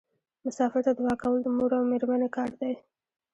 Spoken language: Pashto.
مسافر ته دعا کول د مور او میرمنې کار دی.